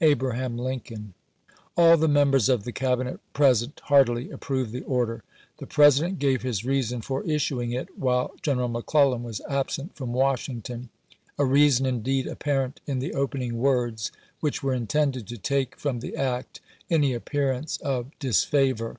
Abraham Lincoln. All the members of the Cabinet present heartily approved the order. The President gave his reason for issuing it while General McClellan was absent from Washington — a reason indeed apparent in the opening words, which were intended to take from the act any appearance of disfavor.